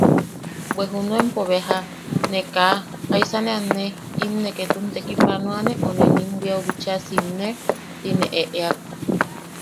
Bwe junuenpo beja, ne kaa... “¿jaisa ne anne?” “¿im ne ketun tekipanoane o ne nim bwiaʼu bichaa siimne?” ti ne eʼeak.